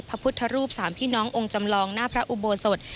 พระพุทธรูปสามพี่น้ององค์จำลองหน้าพระอุโบสถ